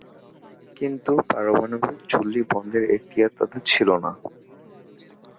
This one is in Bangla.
কিন্তু পারমাণবিক চুল্লী বন্ধের এখতিয়ার তাদের ছিল না।